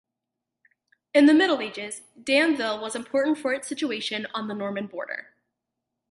In the Middle Ages, Damville was important for its situation on the Norman border.